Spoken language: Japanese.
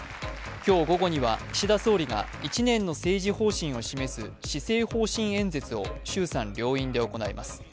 今日午後には、岸田総理が１年の政治方針を示す施政方針演説を衆参両院で行います。